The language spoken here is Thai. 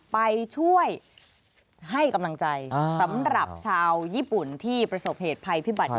ไปช่วยให้กำลังใจสำหรับชาวญี่ปุ่นที่ประสบเหตุภัยพิบัติ